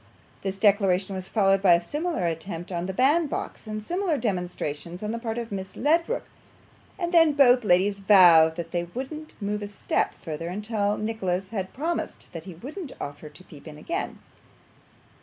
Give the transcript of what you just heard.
This declaration was followed by a similar attempt on the bandbox, and similar demonstrations on the part of Miss Ledrook, and then both ladies vowed that they wouldn't move a step further until Nicholas had promised that he wouldn't offer to peep again.